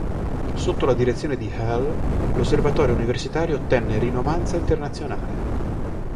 Sotto la direzione di Hell l'osservatorio universitario ottenne rinomanza internazionale.